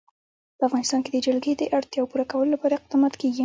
په افغانستان کې د جلګه د اړتیاوو پوره کولو لپاره اقدامات کېږي.